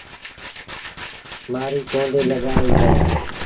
مآريٚ ڪونديٚ لڳآڻيٚ پئي۔